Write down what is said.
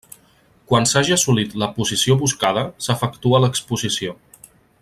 Quan s'hagi assolit la posició buscada, s'efectua l'exposició.